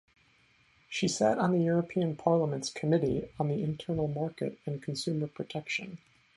She sat on the European Parliament's Committee on the Internal Market and Consumer Protection.